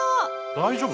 大丈夫？